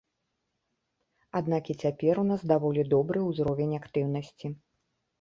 Аднак і цяпер у нас даволі добры ўзровень актыўнасці.